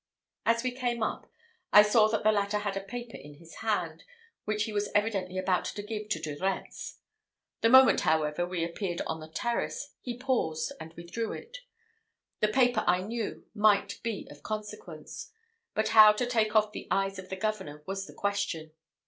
As we came up, I saw that the latter had a paper in his hand, which he was evidently about to give to De Retz. The moment, however, we appeared on the terrace, he paused, and withdrew it. The paper, I knew, might be of consequence; but how to take off the eyes of the governor was the question.